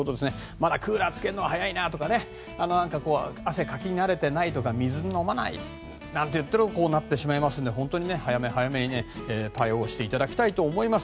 まだ、クーラーつけるのは早いなとか汗かき慣れていないとか水飲まないとなるとこうなってしまいますので早め早めに対応していただきたいと思います。